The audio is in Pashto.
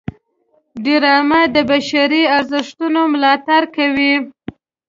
ډرامه د بشري ارزښتونو ملاتړ کوي